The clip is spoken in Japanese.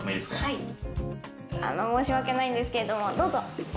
申し訳ないんですけれども、どうぞ。